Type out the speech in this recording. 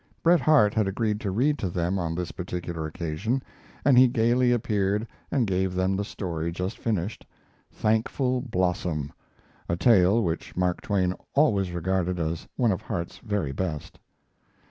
Bret Harte had agreed to read to them on this particular occasion, and he gaily appeared and gave them the story just finished, "Thankful Blossom," a tale which Mark Twain always regarded as one of Harte's very best.